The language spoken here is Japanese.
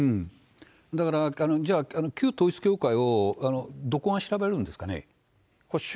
だから、じゃあ、旧統一教会をどこが調べるんですかね。